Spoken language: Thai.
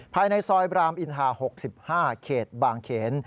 ภายในซอยบรามอินทา๖๕เขตบางเขน